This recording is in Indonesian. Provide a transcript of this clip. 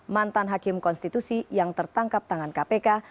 mantan hakim konstitusi yang tertangkap tangan kpk